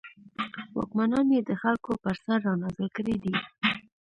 واکمنان یې د خلکو پر سر رانازل کړي دي.